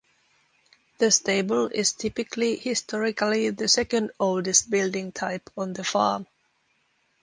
The stable is typically historically the second-oldest building type on the farm.